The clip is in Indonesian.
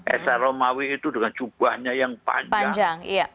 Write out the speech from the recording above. esar romawi itu dengan cubahnya yang panjang